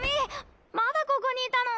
まだここにいたの？